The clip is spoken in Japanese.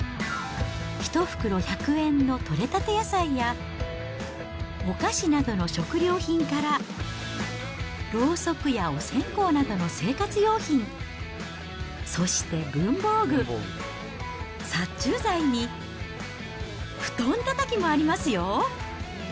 １袋１００円の取れたて野菜や、お菓子などの食料品から、ろうそくやお線香などの生活用品、そして文房具、殺虫剤に、布団たたきもありますよ。